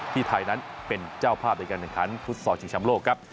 ที่ทายนั้นเป็นเจ้าพลาดในการทางฟุตซอร์ชิงชำโลกครับ